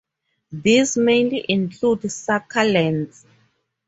These mainly include succulents.